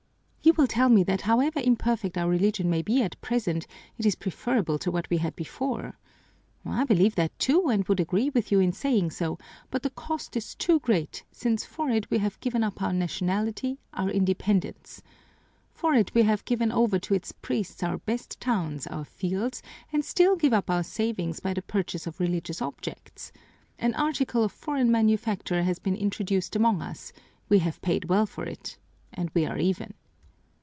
"You will tell me that however imperfect our religion may be at present, it is preferable to what we had before. I believe that, too, and would agree with you in saying so, but the cost is too great, since for it we have given up our nationality, our independence. For it we have given over to its priests our best towns, our fields, and still give up our savings by the purchase of religious objects. An article of foreign manufacture has been introduced among us, we have paid well for it, and we are even.